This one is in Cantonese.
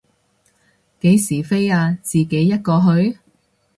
幾時飛啊，自己一個去？